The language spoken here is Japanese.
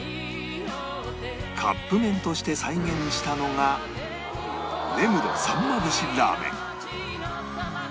カップ麺として再現したのが根室さんま節らーめん